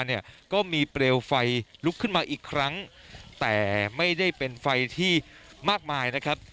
เนี่ยก็มีเปลวไฟลุกขึ้นมาอีกครั้งแต่ไม่ได้เป็นไฟที่มากมายนะครับ